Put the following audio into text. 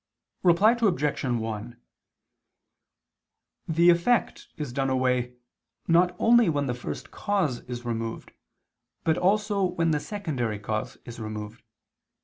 Reply Obj. 1: The effect is done away, not only when the first cause is removed, but also when the secondary cause is removed.